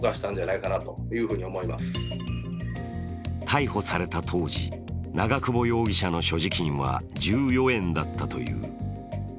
逮捕された当時、長久保容疑者の所持金は１４円だったという。